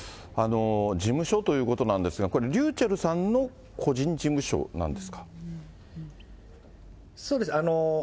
事務所ということなんですが、これ、ｒｙｕｃｈｅｌｌさんの個そうです。